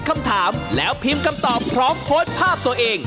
ก็พิมพ์คำตอบพร้อมโพสต์ภาพตัวเอง